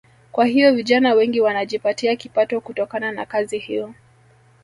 Kwa hiyo vijana wengi wanajipatia kipato kutokana na kazi hiyo